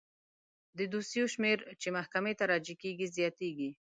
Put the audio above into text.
د دوسیو شمیر چې محکمې ته راجع کیږي زیاتیږي.